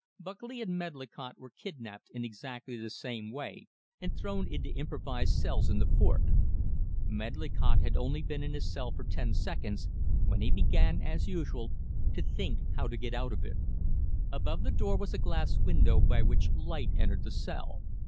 Buckley and Medlicott were kidnapped in exactly the same way and thrown into improvised cells in the fort. Medlicott had only been in his cell for ten seconds, when he began, as usual, to think how to get out of it. Above the door was a glass window by which light entered the cell.